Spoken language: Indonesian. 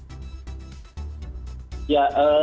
apalagi sebelum dan sesudah acara itu harus ada prosedur kesehatan ya